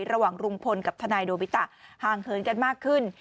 ระหว่างลุงพลกับทนายโดบิตะห่างเหินกันมากขึ้น